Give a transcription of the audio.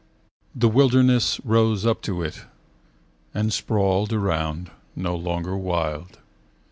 The wilderness rose up to it. And sprawled around, no longer wild.